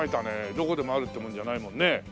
どこでもあるってもんじゃないもんね。